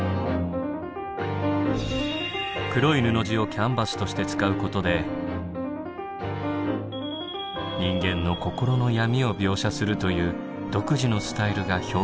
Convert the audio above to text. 黒い布地をキャンバスとして使うことで人間の心の闇を描写するという独自のスタイルが評価されています。